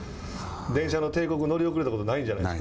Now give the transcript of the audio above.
電車の定刻乗りおくれたことないんじゃないですか。